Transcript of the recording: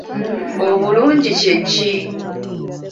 Obulungi kye ki?